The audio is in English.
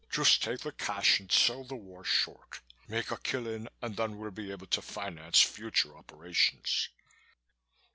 Just take the cash and sell the war short. Make a killing and then we'll be able to finance future operations."